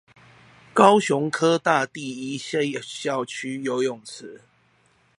高雄科大第一西校區游泳池